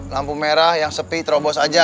lampu merah yang sepi terobos aja